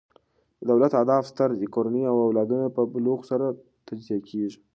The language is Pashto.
د دولت اهداف ستر دي؛ کورنۍ د او لادونو په بلوغ سره تجزیه کیږي.